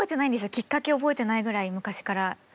きっかけ覚えてないぐらい昔から。